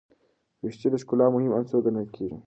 ویښتې د ښکلا مهم عنصر ګڼل کېږي.